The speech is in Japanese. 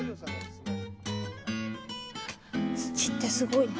土ってすごいな。